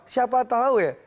siapa tahu ya